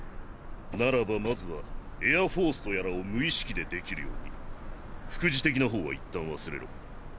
ならばまずはエアフォースとやらを無意識でできるように副次的な方は一旦忘れろ。